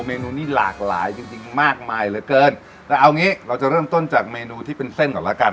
เนนูนี่หลากหลายจริงจริงมากมายเหลือเกินแต่เอางี้เราจะเริ่มต้นจากเมนูที่เป็นเส้นก่อนแล้วกัน